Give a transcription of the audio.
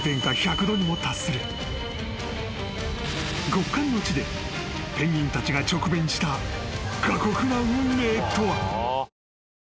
［極寒の地でペンギンたちが直面した過酷な運命とは］